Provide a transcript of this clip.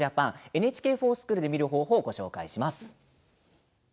「ＮＨＫｆｏｒＳｃｈｏｏｌ」で見る方法をご紹介します。